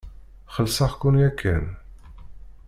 Xellseɣ-ken yakan.